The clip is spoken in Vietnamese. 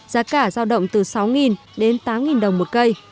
giá cả giao động từ sáu đến tám đồng một cây